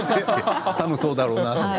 多分そうだろうなって。